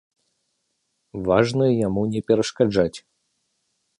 Важна яму не перашкаджаць.